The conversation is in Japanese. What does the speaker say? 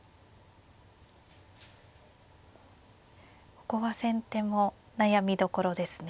ここは先手も悩みどころですね。